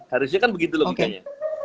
harusnya kan begitu logikanya